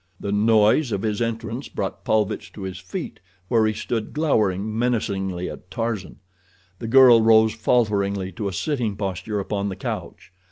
The noise of his entrance brought Paulvitch to his feet, where he stood glowering menacingly at Tarzan. The girl rose falteringly to a sitting posture upon the couch.